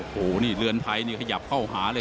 เหรือนไทยนี่ขยับเข้าหาเลย